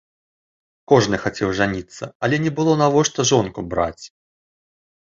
Кожны хацеў жаніцца, але не было навошта жонку браць.